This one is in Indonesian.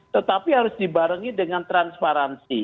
tetapi harus dibarengi dengan transparansi